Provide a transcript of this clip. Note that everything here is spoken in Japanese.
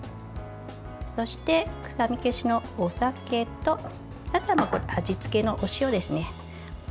そして、臭み消しのお酒と味付けのお塩ですね。